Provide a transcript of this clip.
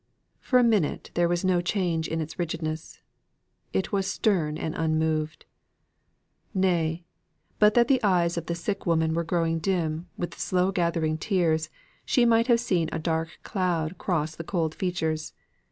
For a minute there was no change in its rigidness; it was stern and unmoved; nay, but that the eyes of the sick woman were growing dim with the slow gathering tears, she might have seen a dark cloud cross the cold features.